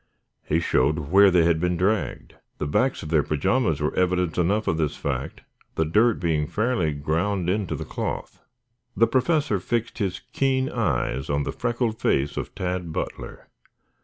He showed where they had been dragged. The backs of their pajamas were evidence enough of this fact, the dirt being fairly ground into the cloth. The Professor fixed his keen eyes on the freckled face of Tad Butler.